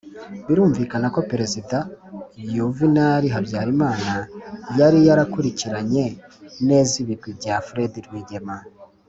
birumvikana ko perezida yuvenali habyarimana yari yarakurikiranye neza ibigwi bya fred rwigema